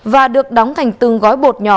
và được đóng thành từng gói bột nhỏ